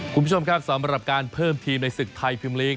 คุณผู้ชมครับสำหรับการเพิ่มทีมในศึกไทยพิมลีก